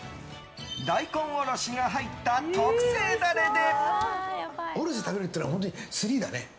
大根おろしが入った特製ダレで。